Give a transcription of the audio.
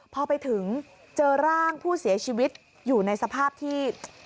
พอไปถึงเจอร่างผู้เสียชีวิตอยู่ในสภาพที่